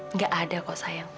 nggak ada kok sayang